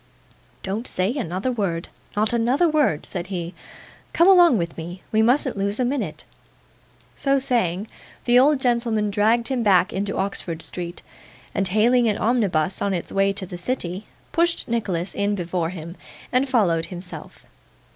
'Don't say another word. Not another word' said he. 'Come along with me. We mustn't lose a minute.' So saying, the old gentleman dragged him back into Oxford Street, and hailing an omnibus on its way to the city, pushed Nicholas in before him, and followed himself.